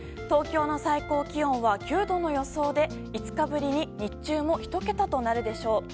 東京の最高気温は９度の予想で５日ぶりに日中も１桁でしょう。